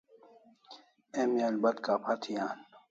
Emi albat kapha thi an